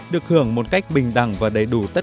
được hưởng một cách bình đẳng và đầy đủ tất cả các quyền